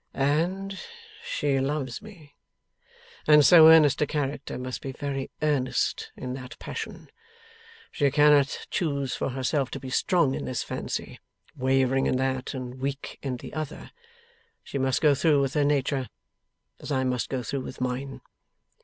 'And she loves me. And so earnest a character must be very earnest in that passion. She cannot choose for herself to be strong in this fancy, wavering in that, and weak in the other. She must go through with her nature, as I must go through with mine.